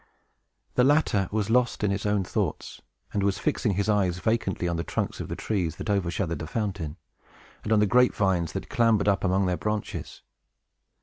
The latter was lost in his own thoughts, and was fixing his eyes vacantly on the trunks of the trees that overshadowed the fountain, and on the grapevines that clambered up among their branches.